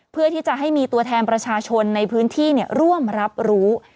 เพื่อที่จะให้มีตัวแทนประชาชนในพื้นที่ร่วมรับรู้